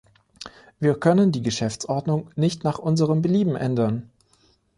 Wir können die Geschäftsordnung nicht nach unserem Belieben ändern.